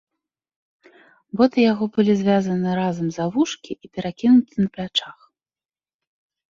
Боты яго былі звязаны разам за вушкі і перакінуты на плячах.